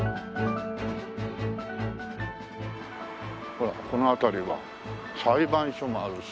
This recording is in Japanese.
ほらこの辺りは裁判所もあるし。